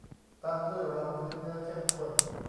ตามด้วยรองพื้นเนื้อเข้มข้น